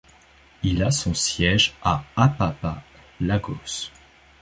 Il a son siège à Apapa, Lagos.